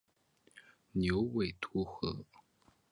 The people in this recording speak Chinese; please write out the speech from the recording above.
牛尾独活